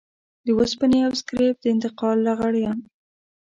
د وسپنې او سکريپ د انتقال لغړيان.